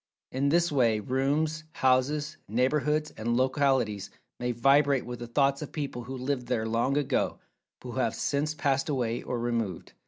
In this way, rooms, houses, neighborhoods, and localities may vibrate with the thoughts of people who lived there long ago, but who have since passed away, or removed.